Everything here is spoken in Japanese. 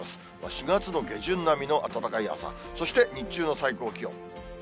４月の下旬並みの暖かい朝、そして日中の最高気温。